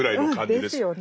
ですよね。